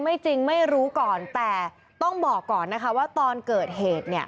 ไม่จริงไม่รู้ก่อนแต่ต้องบอกก่อนนะคะว่าตอนเกิดเหตุเนี่ย